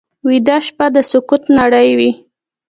ویده شپه د سکوت نړۍ وي